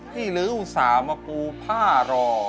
หรืออุตส่าห์มาปูผ้ารอ